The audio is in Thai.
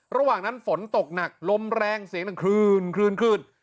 ระหว่างนั้นฝนตกหนักลมแรงเสียงดังคลื่นคลื่น